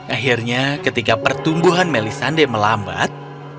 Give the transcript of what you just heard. akhirnya ketika pertumbuhan melisande melambat